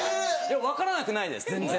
分からなくないです全然。